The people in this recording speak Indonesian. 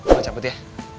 lo cabut ya